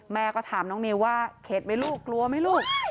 แม่ก็ถามน้องนิวว่าเข็ดไหมลูกกลัวไหมลูก